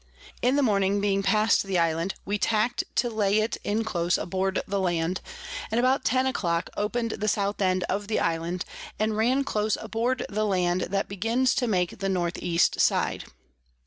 In the Morning, being past the Island, we tack'd to lay it in close aboard the Land; and about ten a clock open'd the South End of the Island, and ran close aboard the Land that begins to make the North East side.